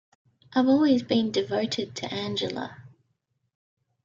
I've always been devoted to Angela.